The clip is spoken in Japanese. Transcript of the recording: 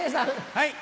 はい。